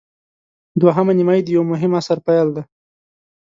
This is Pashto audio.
دوهمه نیمايي د یوه مهم عصر پیل دی.